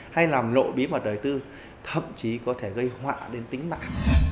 hay làm lộ bí mật đời tư thậm chí có thể gây họa đến tính mạng